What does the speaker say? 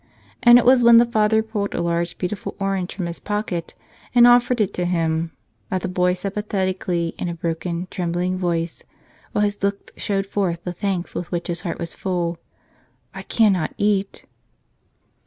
And it was when the Father pulled a large, beautiful orange from his pocket and offered it to him that the boy said pathetically in a broken, trembling voice, while his looks showed forth the thanks with which his heart was full: "I cannot eat."